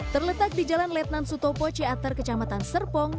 terletak di jalan letnan sutopo ciater kecamatan serpong